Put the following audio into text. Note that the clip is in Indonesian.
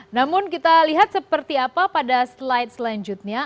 namun kita lihat seperti apa pada slide selanjutnya